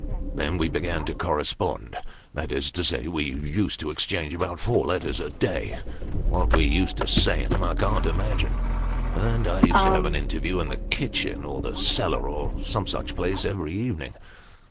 Then, we began to ' corre spond ' that is to say, we used to exchange about four letters a day ; what we used to say in 'em I can't imagine. And I used to have an interview, in the kitchen, or the cellar, or some such place, every evening.